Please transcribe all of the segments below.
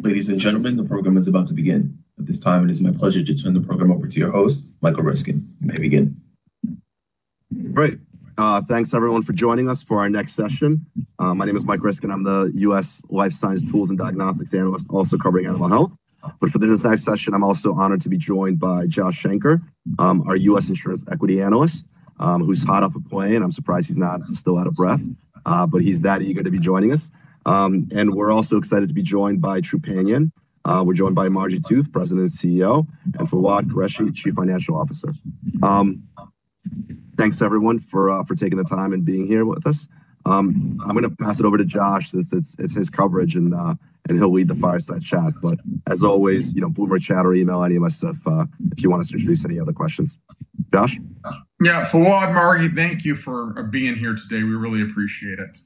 Ladies and gentlemen, the program is about to begin. At this time, it is my pleasure to turn the program over to your host, Michael Ryskin. May I begin? Great. Thanks, everyone, for joining us for our next session. My name is Mike Ryskin. I'm the U.S. Life Science Tools and Diagnostics Analyst, also covering animal health. For this next session, I'm also honored to be joined by Joshua Shanker, our U.S. Insurance Equity Analyst, who's hot off a plane. I'm surprised he's not still out of breath, but he's that eager to be joining us. We're also excited to be joined by Trupanion. We're joined by Margi Tooth, President and CEO, and Fawwad Qureshi, Chief Financial Officer. Thanks, everyone, for taking the time and being here with us. I'm going to pass it over to Josh since it's his coverage and he'll lead the fireside chat. As always, you know, Boomer, chat, or email, any of us if you want us to introduce any other questions. Josh? Yeah. Fawwad, Margi, thank you for being here today. We really appreciate it.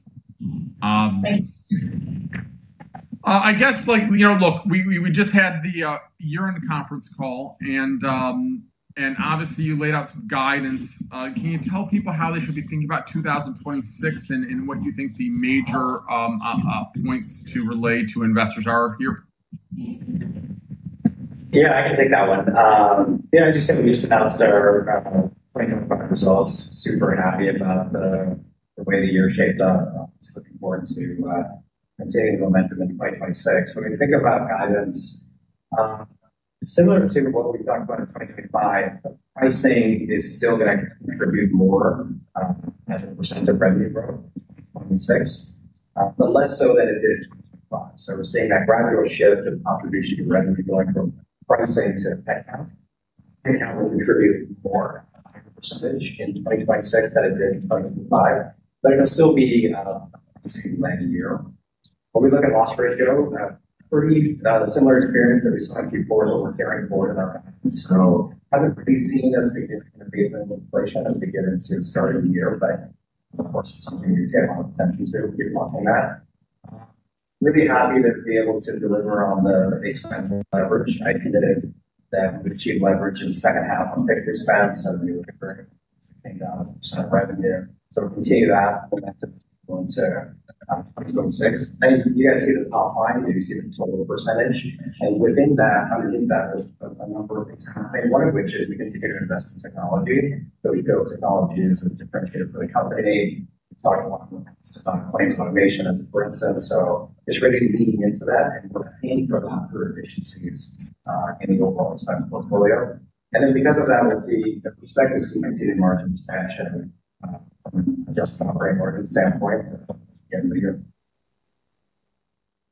Thank you. I guess, you know, look, we just had the year-end conference call, and obviously you laid out some guidance. Can you tell people how they should be thinking about 2026 and what you think the major points to relay to investors are here? I can take that one. As you said, we just announced our 2025 results. Super happy about the way the year shaped up. It's looking forward to continuing the momentum in 2026. When we think about guidance, similar to what we talked about in 2025, pricing is still going to contribute more as a % of revenue growth in 2026, but less so than it did in 2025. We're seeing that gradual shift of contribution to revenue going from pricing to headcount. Headcount will contribute more at a higher % in 2026 than it did in 2025, but it'll still be a pricing-led year. When we look at loss ratio, pretty similar experience that we saw in Q4 is what we're carrying forward in our guidance. Haven't really seen a significant abatement in inflation as we get into the start of the year, but of course, it's something you take a lot of attention to if you're watching that. Really happy to be able to deliver on the expense leverage. I admitted that we achieved leverage in the second half on fixed expense, and we recovered 60,000% of revenue. We'll continue that momentum going into 2026. You guys see the top line. You see the total percentage. Within that, underneath that, there's a number of things happening, one of which is we continue to invest in technology. We feel technology is a differentiator for the company. We talked a lot in the past about claims automation as a for instance. It's really leading into that, and we're paying for that through efficiencies in the overall expense portfolio. Because of that, we expect to see continued margin expansion from an adjusted operating margin standpoint at the end of the year.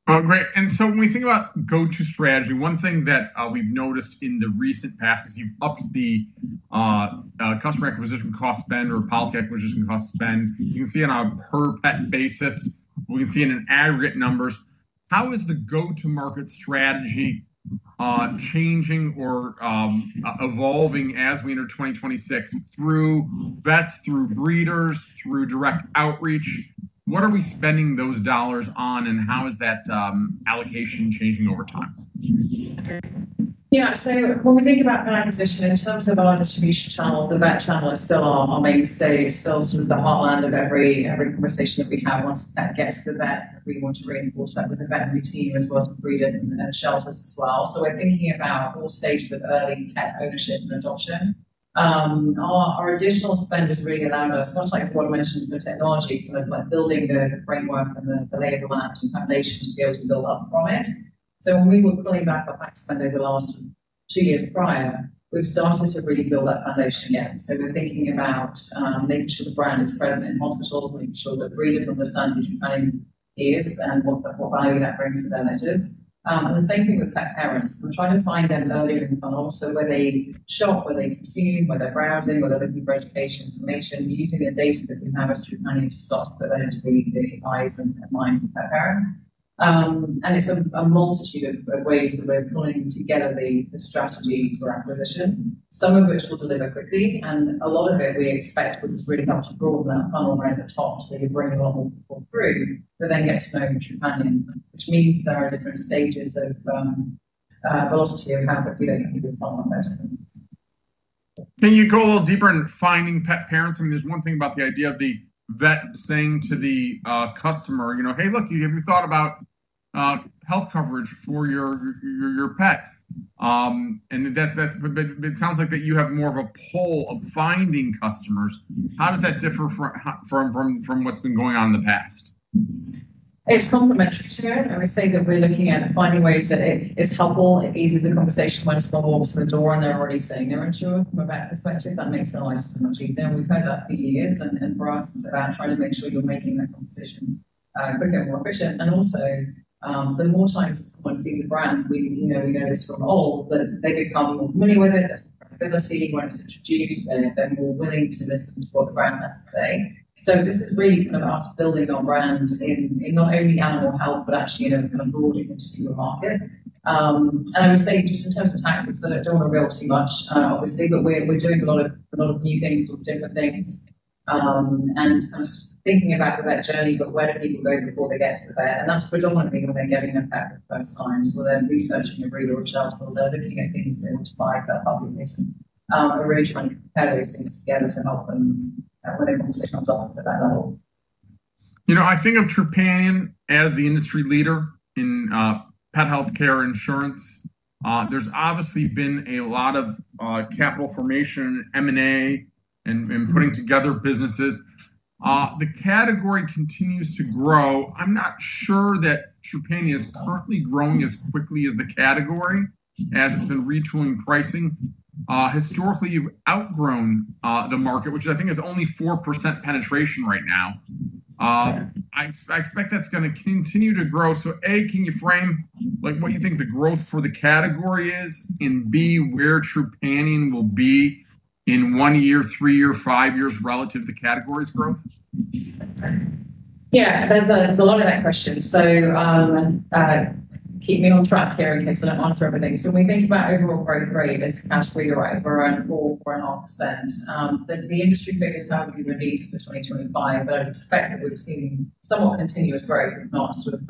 All great. When we think about go-to strategy, one thing that we've noticed in the recent past is you've upped the customer acquisition cost spend or policy acquisition cost spend. You can see on a per pet basis, we can see in aggregate numbers, how is the go-to-market strategy changing or evolving as we enter 2026 through vets, through breeders, through direct outreach? What are we spending those dollars on, and how is that allocation changing over time? Yeah. When we think about pet acquisition, in terms of our distribution channel, the vet channel is still, I'll maybe say, still sort of the hotline of every conversation that we have once a pet gets to the vet, and we want to reinforce that with the vet routine as well as with breeders and shelters as well. We're thinking about all stages of early pet ownership and adoption. Our additional spend has really allowed us, much like Fawwad mentioned for technology, kind of building the framework and the labor land and foundation to be able to build up from it. When we were pulling back our pet spend over the last two years prior, we've started to really build that foundation again. We're thinking about making sure the brand is present in hospitals, making sure that breeders understand who Trupanion is and what value that brings to their letters. The same thing with pet parents. We're trying to find them earlier in the funnel, so where they shop, where they consume, where they're browsing, where they're looking for education information, using the data that we have as Trupanion to sort of put that into the eyes and minds of pet parents. It's a multitude of ways that we're pulling together the strategy for acquisition, some of which will deliver quickly. A lot of it, we expect, will just really help to broaden that funnel right at the top so you bring a lot more people through that then get to know Trupanion, which means there are different stages of velocity of how quickly they can move the funnel better. Can you go a little deeper in finding pet parents? I mean, there's one thing about the idea of the vet saying to the customer, "Hey, look, have you thought about health coverage for your pet?" It sounds like that you have more of a pull of finding customers. How does that differ from what's been going on in the past? It's complementary to it. We say that we're looking at finding ways that it's helpful. It eases the conversation when a small dog walks in the door and they're already saying they're insured from a vet perspective. That makes their lives so much easier. We've heard that for years. For us, it's about trying to make sure you're making that conversation quicker and more efficient. Also, the more times that someone sees a brand, we know this from old, that they become more familiar with it. That's more credibility. When it's introduced, they're more willing to listen to what the brand has to say. This is really kind of us building our brand in not only animal health, but actually kind of broadening into the market. I would say just in terms of tactics, I don't want to reel too much, obviously, but we're doing a lot of new things, sort of different things, and kind of thinking about the vet journey, but where do people go before they get to the vet? That's predominantly when they're getting a pet for the first time. They're researching a breeder or shelter. They're looking at things they want to buy for a puppy or kitten. We're really trying to compare those things together to help them when the conversation comes off at that level. You know, I think of Trupanion as the industry leader in pet healthcare insurance. There's obviously been a lot of capital formation, M&A, and putting together businesses. The category continues to grow. I'm not sure that Trupanion is currently growing as quickly as the category as it's been retooling pricing. Historically, you've outgrown the market, which I think is only 4% penetration right now. I expect that's going to continue to grow. A, can you frame what you think the growth for the category is? B, where Trupanion will be in 1 year, 3 years, 5 years relative to the category's growth? There's a lot of that question. Keep me on track here in case I don't answer everything. When we think about overall growth rate, there's a category right over around 4%, 4.5%. The industry figures haven't been released for 2025, I'd expect that we've seen somewhat continuous growth, if not sort of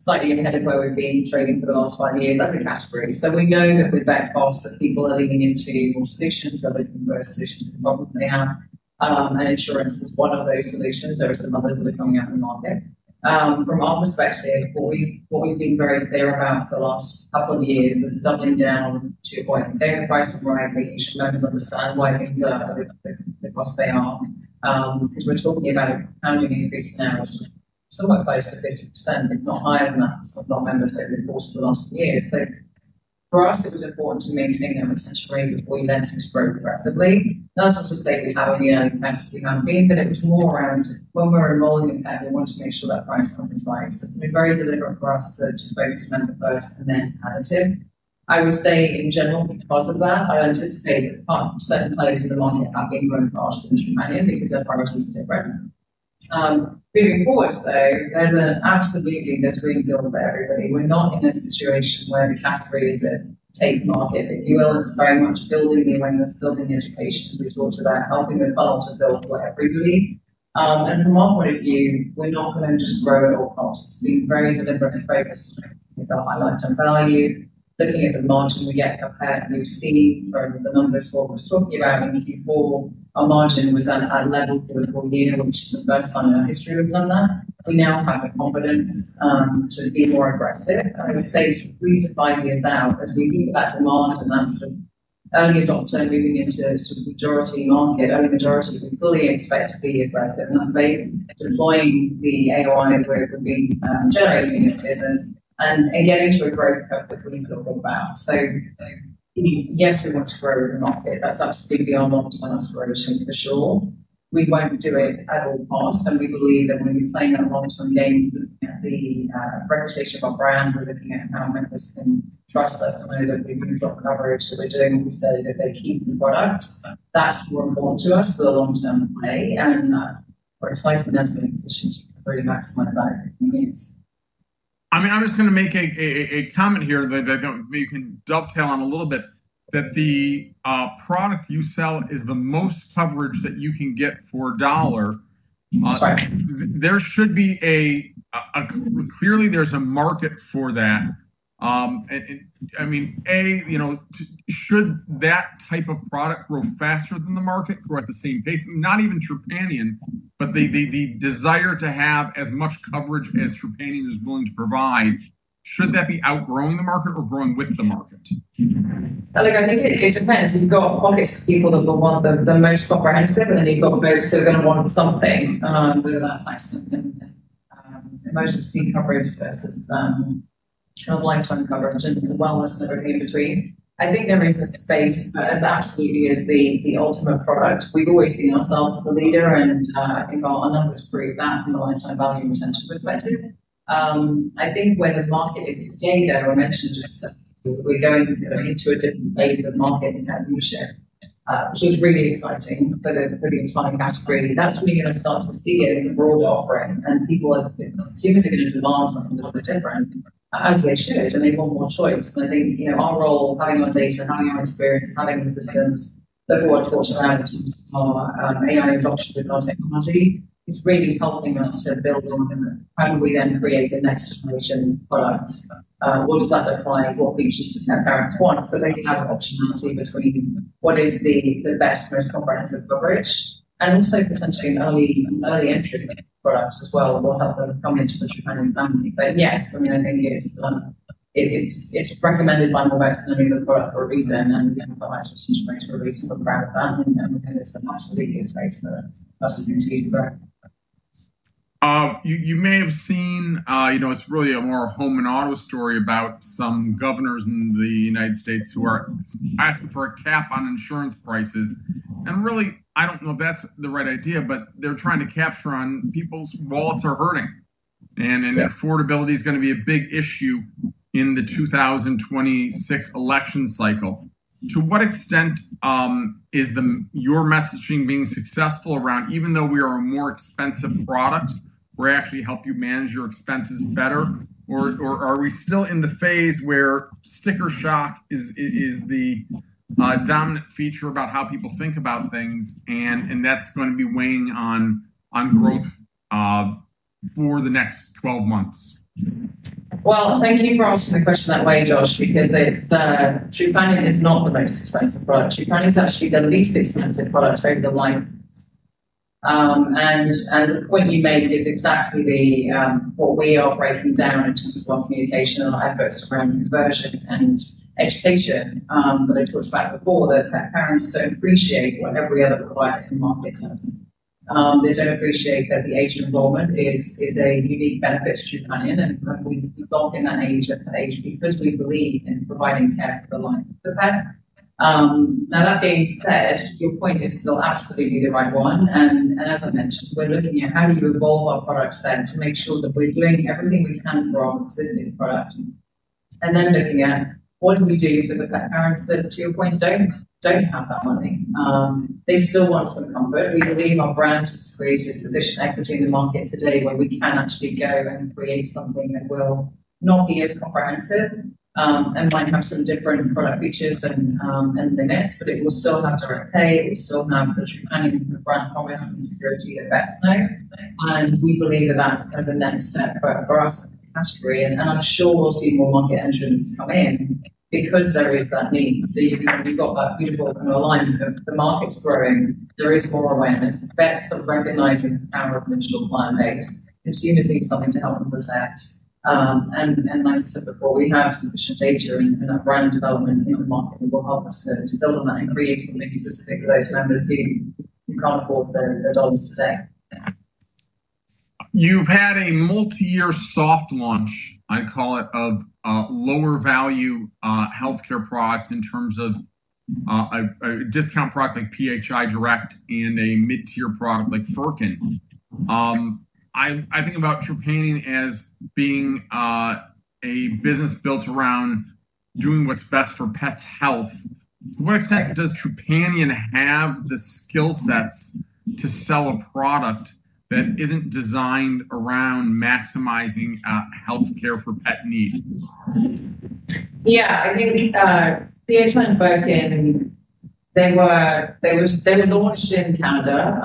slightly ahead of where we've been trading for the last 5 years. That's a category. We know that with vet costs, that people are leaning into more solutions. They're looking for better solutions than probably they have. Insurance is one of those solutions. There are some others that are coming out in the market. From our perspective, what we've been very clear about for the last couple of years is doubling down to getting the price right. We should members understand why things are the cost they are. We're talking about a compounding increase now of sort of somewhat close to 50%, if not higher than that. It's not members over the course of the last few years. For us, it was important to maintain their retention rate before we lent into growth aggressively. That's not to say we haven't been early pets, but it was more around when we're enrolling a pet, we want to make sure that price comes in place. It's been very deliberate for us to focus member first and then additive. I would say, in general, because of that, I anticipate that certain players in the market have been growing faster than Trupanion because their priorities are different. Moving forward, though, there's absolutely greenfield for everybody. We're not in a situation where the category is a take market, if you will. It's very much building the awareness, building the education. We talked about helping the funnel to build for everybody. From our point of view, we're not going to just grow at all costs. It's been very deliberately focused on highlighting value, looking at the margin we get per pet. We've seen from the numbers Fawwad was talking about in Q4, our margin was at level for the full year, which is the first time in our history we've done that. We now have the confidence to be more aggressive. I would say sort of three to five years out, as we leave that demand and that sort of early adopter moving into sort of majority market, early majority, we fully expect to be aggressive. That's based on deploying the AOI that we've been generating as a business and getting to a growth curve that we've been talking about. Yes, we want to grow with the market. That's absolutely our long-term aspiration for sure. We won't do it at all costs. We believe that when you're playing that long-term game, looking at the reputation of our brand, we're looking at how members can trust us and know that we've moved up coverage, that we're doing what we said, that they keep the product. That's more important to us for the long-term play. We're excited to enter the position to really maximize that in the coming years. I mean, I'm just going to make a comment here that maybe you can dovetail on a little bit, that the product you sell is the most coverage that you can get for $1. That's right. There should be, there's a market for that. I mean, A, should that type of product grow faster than the market, grow at the same pace? Not even Trupanion, but the desire to have as much coverage as Trupanion is willing to provide, should that be outgrowing the market or growing with the market? Look, I think it depends. You've got pockets of people that will want the most comprehensive, and then you've got folks who are going to want something, whether that's access to emergency coverage versus kind of lifetime coverage and the wellness and everything in between. I think there is a space, but it absolutely is the ultimate product. We've always seen ourselves as a leader, and I think our numbers prove that from the lifetime value retention perspective. I think where the market is today, though, I mentioned just a second ago, that we're going into a different phase of market and pet leadership, which is really exciting for the entire category. That's when you're going to start to see it in the broader offering. Consumers are going to demand something a little bit different as they should, and they want more choice. I think our role, having our data, having our experience, having the systems that Fawwad talked about in terms of our AI adoption with our technology, is really helping us to build on how do we then create the next generation product? What does that look like? What features do pet parents want? They have an optionality between what is the best, most comprehensive coverage, and also potentially an early entry product as well that will help them come into the Trupanion family. Yes, I mean, I think it's recommended by more vets than any other product for a reason. We have a highest retention rate for a reason. We're proud of that. There's an absolutely good space for us to continue to grow. You may have seen it's really a more home and auto story about some governors in the United States who are asking for a cap on insurance prices. Really, I don't know if that's the right idea, but they're trying to capture on people's wallets are hurting. Affordability is going to be a big issue in the 2026 election cycle. To what extent is your messaging being successful around, even though we are a more expensive product, we're actually helping you manage your expenses better? Are we still in the phase where sticker shock is the dominant feature about how people think about things, and that's going to be weighing on growth for the next 12 months? Well, thank you for asking the question that way, Josh, because Trupanion is not the most expensive product. Trupanion is actually the least expensive product over the line. The point you make is exactly what we are breaking down in terms of our communication and our efforts around conversion and education that I talked about before, that pet parents don't appreciate what every other provider in the market does. They don't appreciate that the age of enrollment is a unique benefit to Trupanion. We lock in that age at that age because we believe in providing care for the life of the pet. Now, that being said, your point is still absolutely the right one. As I mentioned, we're looking at how do you evolve our products then to make sure that we're doing everything we can for our existing product? Looking at what do we do for the pet parents that, to your point, don't have that money? They still want some comfort. We believe our brand has created sufficient equity in the market today where we can actually go and create something that will not be as comprehensive and might have some different product features and limits, but it will still have direct pay. It will still have the Trupanion brand promise and security that vets know. We believe that that's kind of the next step for us as a category. I'm sure we'll see more market entrants come in because there is that need. You've got that beautiful alignment of the market's growing. There is more awareness. Vets are recognizing the power of an initial client base. Consumers need something to help them protect. Like I said before, we have sufficient data and that brand development in the market that will help us to build on that and create something specific for those members who can't afford their dollars today. You've had a multi-year soft launch, I call it, of lower-value healthcare products in terms of a discount product like PHI Direct and a mid-tier product like Furkin. I think about Trupanion as being a business built around doing what's best for pets' health. To what extent does Trupanion have the skill sets to sell a product that isn't designed around maximizing healthcare for pet needs? Yeah. I think PHI and Furkin, they were launched in Canada,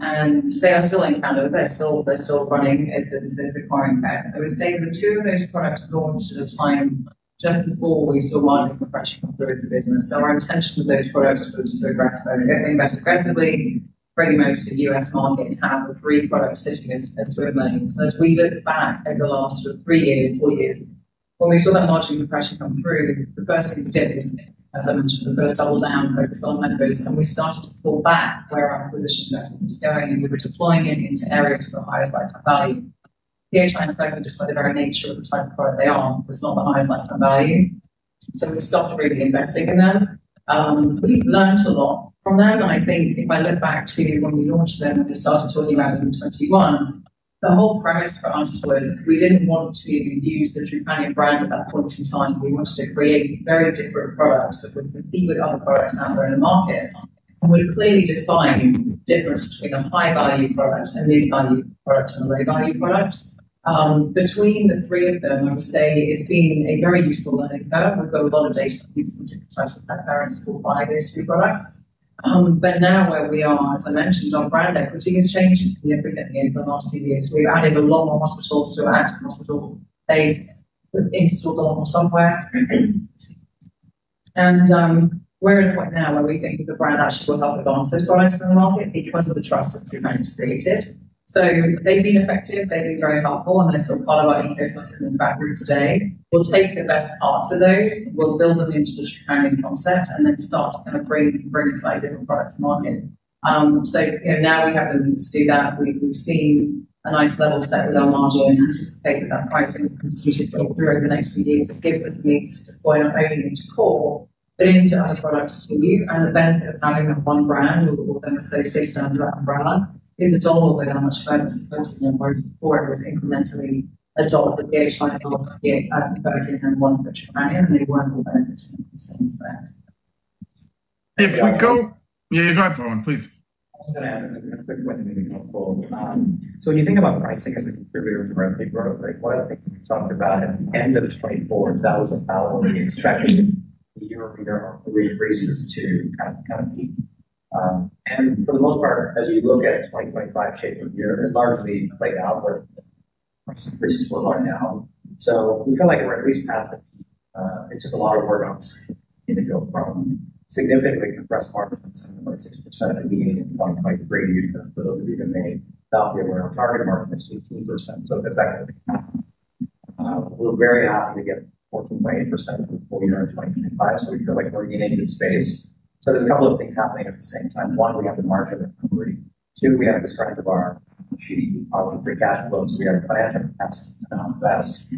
and they are still in Canada. They're still running as businesses acquiring pets. I would say the two of those products launched at a time just before we saw margin compression come through as a business. Our intention with those products was to address both getting better aggressively, bringing them over to the U.S. market, and have a free product sitting as swim lanes. As we look back over the last sort of three years, four years, when we saw that margin compression come through, the first thing we did was, as I mentioned, we put a double down focus on members, and we started to pull back where our acquisition investment was going. We were deploying it into areas with the highest lifetime value. PHI and Furkin, just by the very nature of the type of product they are, was not the highest lifetime value. We stopped really investing in them. We've learned a lot from them. I think if I look back to when we launched them and we started talking about 2021, the whole premise for us was we didn't want to use the Trupanion brand at that point in time. We wanted to create very different products that would compete with other products out there in the market and would clearly define the difference between a high-value product and mid-value product and a low-value product. Between the three of them, I would say it's been a very useful learning curve. We've got a lot of data from different types of pet parents who will buy those three products. Now where we are, as I mentioned, our brand equity has changed significantly over the last few years. We've added a long hospital to our active hospital base, installed a lot more software. We're at a point now where we think that the brand actually will help advance those products in the market because of the trust that Trupanion has created. They've been effective. They've been very helpful, and they're still part of our ecosystem in the back room today. We'll take the best parts of those. We'll build them into the Trupanion concept and then start to kind of bring a slightly different product to market. Now we have the means to do that. We've seen a nice level set with our margin. Anticipate that that pricing will continue to go through over the next few years. It gives us means to deploy not only into core but into other products too. The benefit of having that one brand or them associated under that umbrella is the $1 will go down much further supporting them, whereas before it was incrementally a $1 for PHI and Furkin and $1 for Trupanion, and they weren't all benefiting from the same spend. If we go yeah, you're going forward, please. I'm just going to add a quick point that may be helpful. When you think about pricing as a contributor to repay growth, one of the things that we talked about at the end of 2024 is that was a $ we expected the year-over-year our food increases to kind of beat. For the most part, as you look at 2025 shape of year, it largely played out with price increases where we are now. We felt like we were at least past the peak. It took a lot of work on us to go from significantly compressed margins on some of the 6% that we gained in 2023 for those of you who may not be aware of our target market is 15%. Effectively, we're very happy to get 14.8% for the full year in 2025. We feel like we're in a good space. There's a couple of things happening at the same time. One, we have the margin recovery. Two, we have this trend of our positive free cash flow. We have a financial capacity to not invest.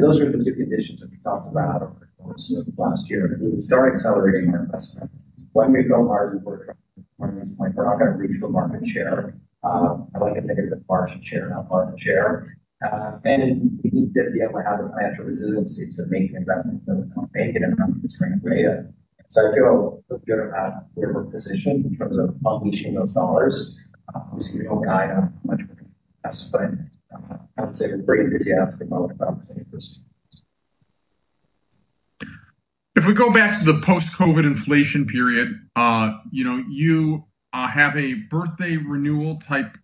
Those are the two conditions that we talked about over the course of last year. We can start accelerating our investment. When we've got margin, we're at a point where we're not going to reach full market share. I like a negative margin share, not market share. We need to be able to have the financial resiliency to make the investments that we want to make in an arms-to-strength way. I feel good about where we're positioned in terms of unleashing those dollars. We see the old guy not much more invested, but I would say we're pretty enthusiastic about what's up in the first few years. If we go back to the post-COVID inflation period, you have a birthday renewal type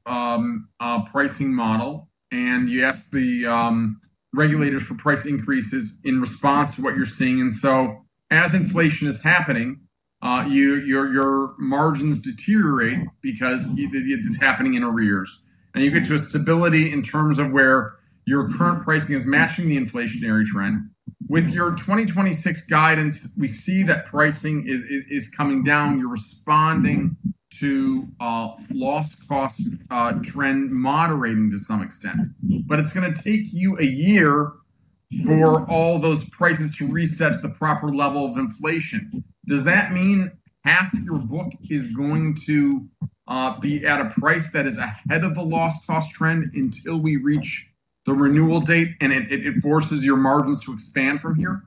pricing model, and you ask the regulators for price increases in response to what you're seeing. As inflation is happening, your margins deteriorate because it's happening in arrears. You get to a stability in terms of where your current pricing is matching the inflationary trend. With your 2026 guidance, we see that pricing is coming down. You're responding to a loss-cost trend moderating to some extent. It's going to take you a year for all those prices to reset to the proper level of inflation. Does that mean half your book is going to be at a price that is ahead of the loss-cost trend until we reach the renewal date, and it forces your margins to expand from here?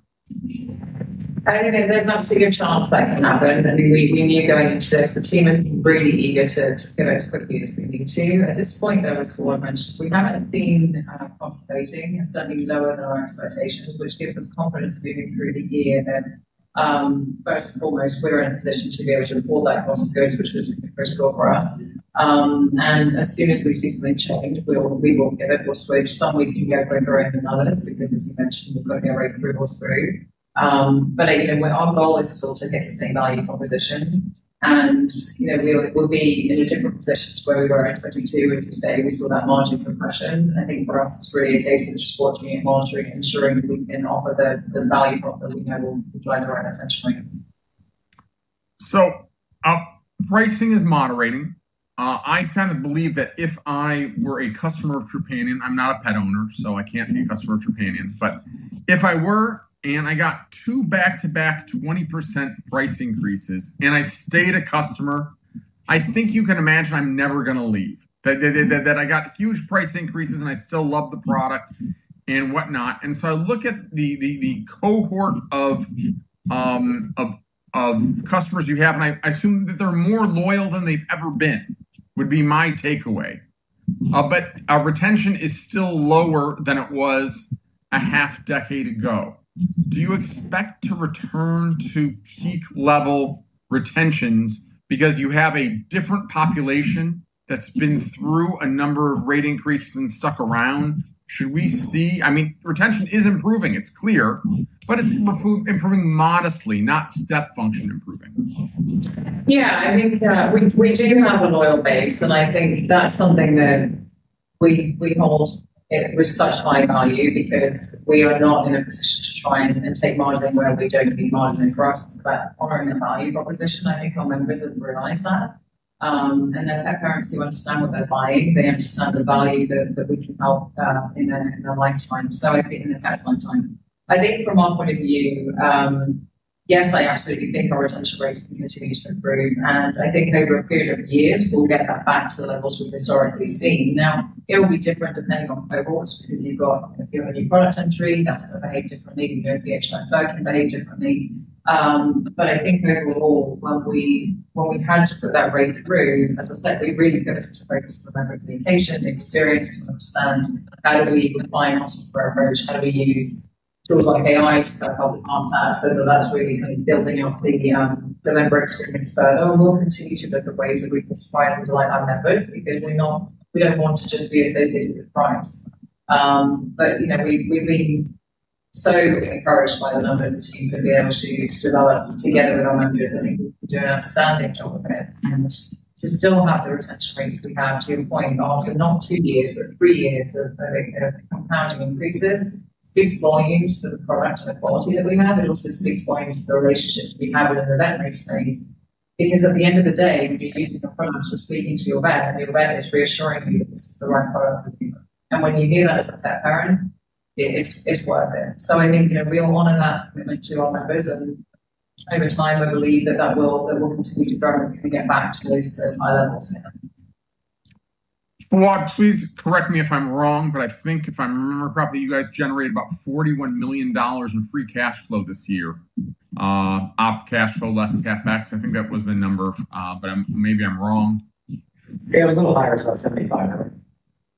There's obviously good chance that can happen. I mean, we knew going into this, the team has been really eager to get as quickly as we need to. At this point, though, as Fawwad mentioned, we haven't seen costs fading and certainly lower than our expectations, which gives us confidence moving through the year that, first and foremost, we're in a position to be able to afford that cost of goods, which was critical for us. As soon as we see something changed, we will pivot. We'll switch. Some week can go quicker and then others because, as you mentioned, we've got to be able to roll through. Our goal is still to get the same value proposition. We'll be in a different position to where we were in 2022, as you say. We saw that margin compression. I think for us, it's really a case of just watching it, monitoring, and ensuring that we can offer the value prop that we know will drive our own attention rate up. Pricing is moderating. I kind of believe that if I were a customer of Trupanion, I'm not a pet owner, so I can't be a customer of Trupanion. If I were and I got 2 back-to-back 20% price increases and I stayed a customer, I think you can imagine I'm never going to leave, that I got huge price increases and I still love the product and whatnot. I look at the cohort of customers you have, and I assume that they're more loyal than they've ever been, would be my takeaway. Retention is still lower than it was a half-decade ago. Do you expect to return to peak-level retentions because you have a different population that's been through a number of rate increases and stuck around? I mean, retention is improving. It's clear. It's improving modestly, not step function improving. Yeah. I think we do have a loyal base, and I think that's something that we hold it with such high value because we are not in a position to try and take margin where we don't need margin across that far in the value proposition. I think our members have realized that. Their pet parents who understand what they're buying, they understand the value that we can help in their lifetime, so in their pet's lifetime. I think from our point of view, yes, I absolutely think our retention rates can continue to improve. I think over a period of years, we'll get that back to the levels we've historically seen. Now, it'll be different depending on cohorts because you've got if you have a new product entry, that's going to behave differently. We know PHI and Furkin behave differently. I think overall, when we had to put that rate through, as I said, we really pivoted to focus on member dedication, experience, and understand how do we refine our software approach? How do we use tools like AI to help us answer that? That's really kind of building up the member experience further. We'll continue to look at ways that we can supply some delight our members because we don't want to just be associated with price. We've been so encouraged by the numbers the team's been able to develop together with our members. I think we've been doing an outstanding job of it. To still have the retention rates we have, to your point, after not two years but three years of compounding increases, speaks volumes to the product and the quality that we have. It also speaks volumes to the relationships we have within the veterinary space because at the end of the day, when you're using a product, you're speaking to your vet, and your vet is reassuring you that this is the right product for you. When you hear that as a pet parent, it's worth it. I think we all honor that commitment to our members. Over time, we believe that that will continue to grow and get back to those high levels here. Fawwad, please correct me if I'm wrong, but I think if I remember correctly, you guys generated about $41 million in free cash flow this year, op cash flow less capex. I think that was the number, but maybe I'm wrong. Yeah, it was a little higher. It was about 75%, I think.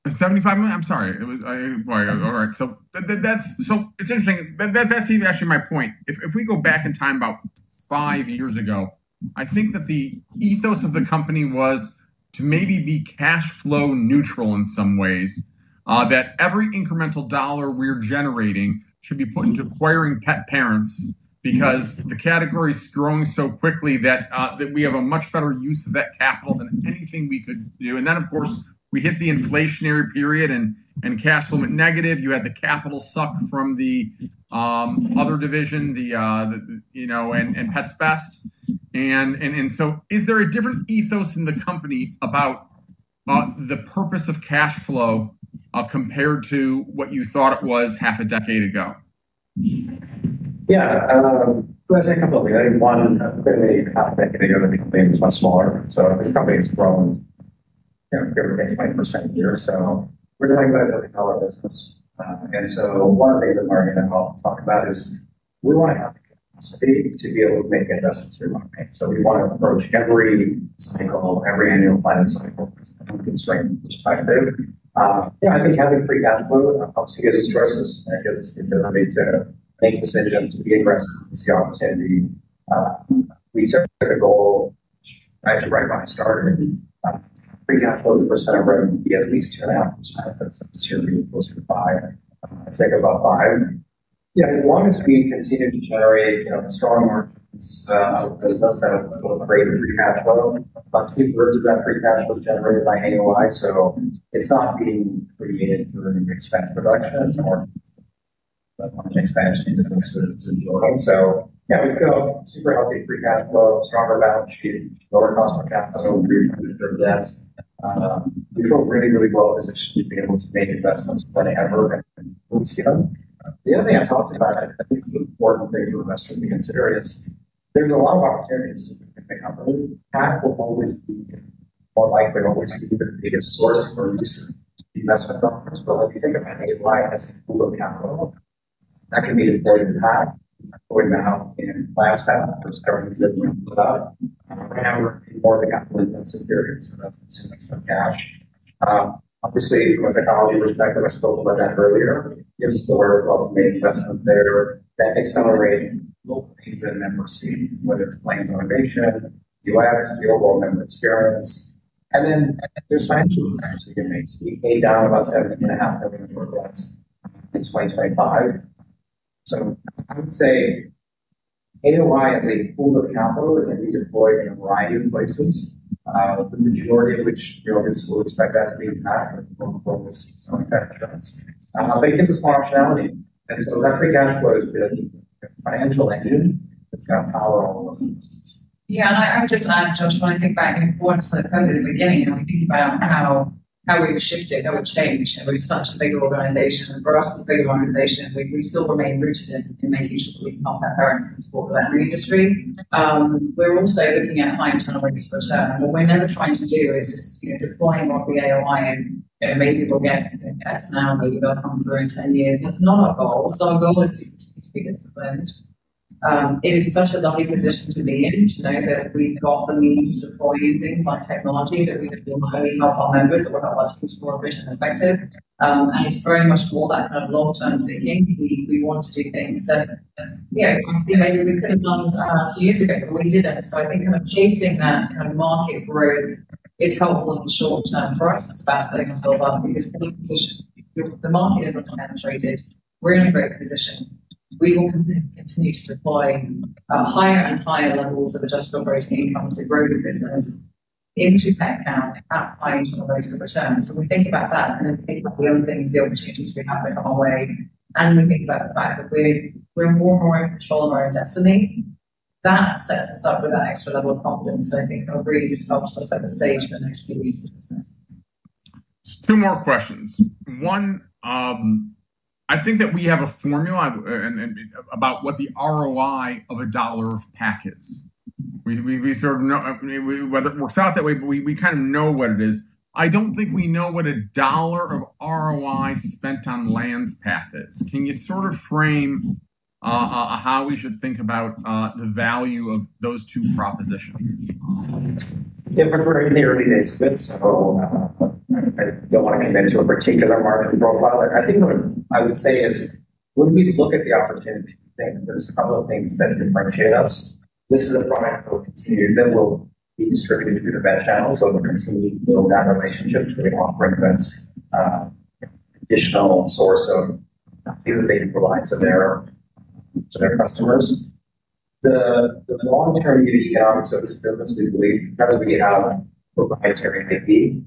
$75 million? I'm sorry. All right. It's interesting. That's actually my point. If we go back in time about 5 years ago, I think that the ethos of the company was to maybe be cash flow neutral in some ways, that every incremental dollar we're generating should be put into acquiring pet parents because the category's growing so quickly that we have a much better use of that capital than anything we could do. Then, of course, we hit the inflationary period and cash flow went negative. You had the capital suck from the other division, the and Pets Best. Is there a different ethos in the company about the purpose of cash flow compared to what you thought it was half a decade ago? Yeah. That's a couple of things. One, quite a bit half a decade ago, the company was much smaller. This company has grown give or take 20% a year. We're talking about a billion-dollar business. One of the things that Margie and I all talked about is we want to have the capacity to be able to make investments through marketing. We want to approach every cycle, every annual planning cycle from a constrained perspective. Yeah, I think having free cash flow obviously gives us choices. It gives us the ability to make decisions, to be aggressive, to see opportunity. We took a goal right when I started. Free cash flow is a percent of revenue to be at least 2.5% of business. This year, we were closer to 5%. I think about 5%. Yeah, as long as we continue to generate strong margins out of business that will create free cash flow, about two-thirds of that free cash flow is generated by AOI. It's not being created through expense reduction or expansion in businesses in general. Yeah, we feel super healthy free cash flow, stronger balance sheet, lower cost of capital, return to share of debt. We feel really, really well positioned to be able to make investments whenever and loose giving. The other thing I talked about, I think it's an important thing for investors to consider, is there's a lot of opportunities within the company. PAC will always be more likely to always be the biggest source or user of investment dollars. When you think about AOI as a pool of capital, that can be deployed in PAC. We're deploying that out in LabSpec. We're starting to deliver out. Right now, we're in more of a capital-intensive period, so that's consuming some cash. Obviously, from a technology perspective, I spoke about that earlier. It gives us the wherewithal to make investments there that accelerate local things that members see, whether it's LLMs, automation, UX, the overall member experience. There's financial investments we can make. We paid down about 17 and a half million dollars in 2025. I would say AOI as a pool of capital, it can be deployed in a variety of places, the majority of which, obviously, we'll expect that to be in PAC or more importantly, selling pet insurance. It gives us more optionality. That free cash flow is the financial engine that's going to power all of those investments. Yeah. I would just add, Josh, when I think back to what I said quite a bit at the beginning, thinking about how we've shifted, how we've changed. We're such a big organization. For us, this big organization, we still remain rooted in making sure that we can help pet parents and support the veterinary industry. We're also looking at high internal rates of return. What we're never trying to do is just deploying what the AOI and maybe we'll get X now, maybe they'll come through in 10 years. That's not our goal. Our goal is to continue to be disciplined. It is such a lovely position to be in, to know that we've got the means to deploy in things like technology that we can only help our members or help our teams more efficient and effective. It's very much more that kind of long-term thinking. We want to do things that maybe we could have done a few years ago, but we didn't. I think kind of chasing that kind of market growth is helpful in the short term for us, as far as setting ourselves up because we're in a position the market is underpenetrated. We're in a great position. We will continue to deploy higher and higher levels of adjusted operating income to grow the business into pet count at high internal rates of return. We think about that. Then we think about the other things, the opportunities we have that come our way. We think about the fact that we're more and more in control of our own destiny. That sets us up with that extra level of confidence. I think it'll really just help us set the stage for the next few years of business. Two more questions. One, I think that we have a formula about what the ROI of a dollar of PAC is. We sort of know whether it works out that way, but we kind of know what it is. I don't think we know what a dollar of ROI spent on Landspath is. Can you sort of frame how we should think about the value of those two propositions? We're in the early days of it, I don't want to commit to a particular market profile. I think what I would say is, when we look at the opportunity, I think there's a couple of things that differentiate us. This is a product that will be distributed through the vet channels, it will continue to build that relationship. We offer vets, additional source of feed that they can provide to their customers. The long-term unique economics of this business, we believe, because we have proprietary IP,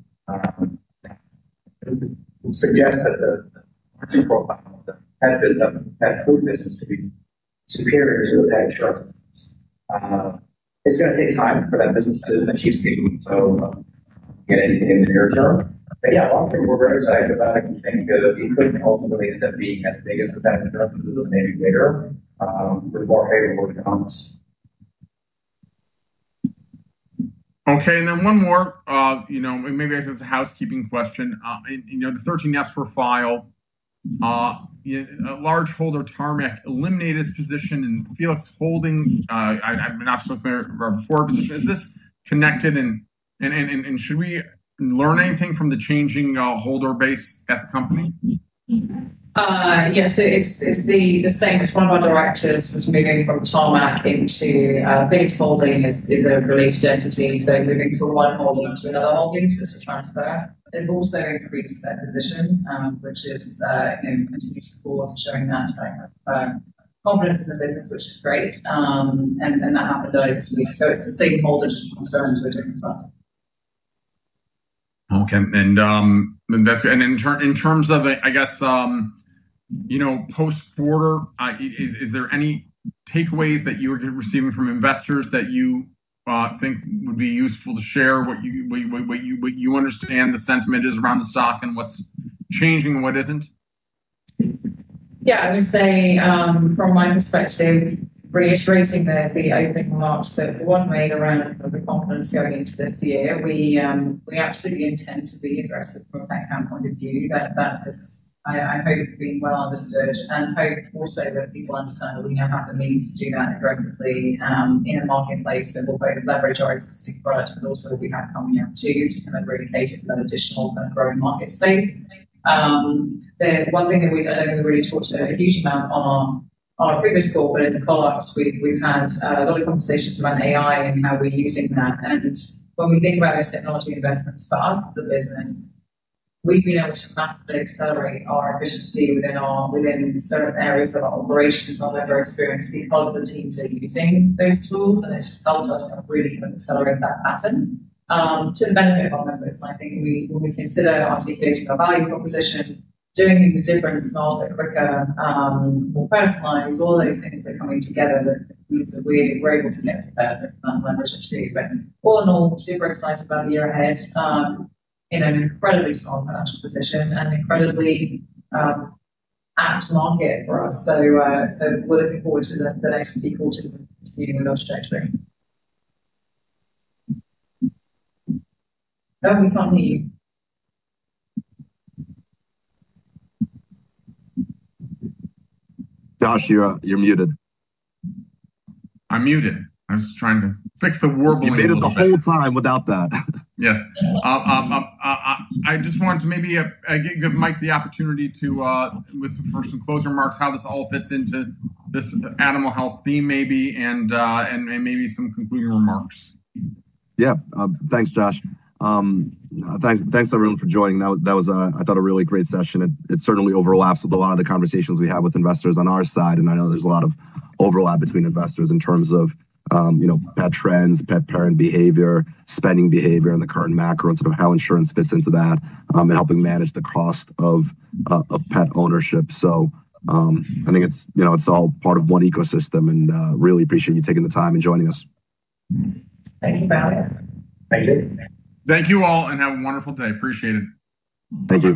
suggests that the market profile of the pet food business can be superior to the pet insurance business. It's going to take time for that business to achieve scale. Again, anything in the near term. Yeah, long term, we're very excited about it. We think it could ultimately end up being as big as the pet insurance business, maybe bigger, with more favorable economics. Okay. Then one more, maybe as a housekeeping question. The 13Fs were filed. Large holder Tarmac eliminated its position, and Felix Holding, I'm not so familiar with our before position. Is this connected? Should we learn anything from the changing holder base at the company? Yes. It's the same. It's one of our directors was moving from Tarmac into Felix Holding is a related entity. Moving from one holding onto another holding, so it's a transfer. They've also increased their position, which is continued support, showing that kind of confidence in the business, which is great. That happened earlier this week. It's the same holder, just transferring to a different fund. Okay. In terms of, I guess, post-quarter, is there any takeaways that you are receiving from investors that you think would be useful to share, what you understand the sentiment is around the stock and what's changing and what isn't? Yeah. I would say, from my perspective, reiterating the opening remarks that Juan made around the confidence going into this year, we absolutely intend to be aggressive from a pet count point of view. That has, I hope, been well understood and hope also that people understand that we now have the means to do that aggressively in a marketplace that will both leverage our existing product, but also what we have coming up too to kind of replicate it for that additional kind of growing market space. One thing that I don't know that we really talked to a huge amount on our previous call, but in the call-ups, we've had a lot of conversations around AI and how we're using that. When we think about those technology investments for us as a business, we've been able to massively accelerate our efficiency within certain areas of our operations, our member experience, because the teams are using those tools. It's just helped us really kind of accelerate that pattern to the benefit of our members. I think when we consider articulating our value proposition, doing things different, smarter, quicker, more personalized, all of those things are coming together that means that we're able to get to better leverage actually. All in all, super excited about the year ahead in an incredibly strong financial position and incredibly apt market for us. We're looking forward to the next few calls to continue with our trajectory. Oh, we can't hear. Josh, you're muted. I'm muted. I was trying to fix the whirlwind. You made it the whole time without that. Yes. I just wanted to maybe give Mike the opportunity with some closing remarks, how this all fits into this animal health theme, maybe, and maybe some concluding remarks. Yeah. Thanks, Josh. Thanks, everyone, for joining. I thought a really great session. It certainly overlaps with a lot of the conversations we have with investors on our side. I know there's a lot of overlap between investors in terms of pet trends, pet parent behavior, spending behavior, and the current macro and sort of how insurance fits into that and helping manage the cost of pet ownership. I think it's all part of one ecosystem. Really appreciate you taking the time and joining us. Thank you, Valerie. Thank you. Thank you all and have a wonderful day. Appreciate it. Thank you.